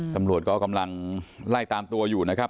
ตำรวจก็กำลังไล่ตามตัวอยู่นะครับ